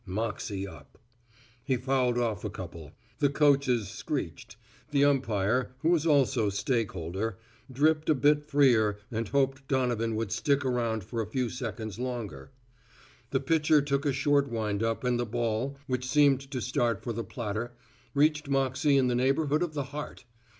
Moxey up. He fouled off a couple, the coachers screeched; the umpire, who was also stakeholder, dripped a bit freer and hoped Donovan would stick around for a few seconds longer. The pitcher took a short wind up and the ball, which seemed to start for the platter, reached Moxey in the neighborhood of the heart.